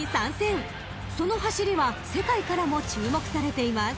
［その走りは世界からも注目されています］